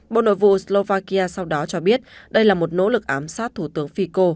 bộ nội vụ slovakia sau đó cho biết đây là một nỗ lực ám sát thủ tướng fico